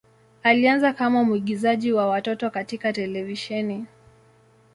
Alianza kama mwigizaji wa watoto katika televisheni.